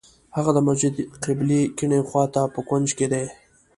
هغه د مسجد قبلې کیڼې خوا ته په کونج کې دی.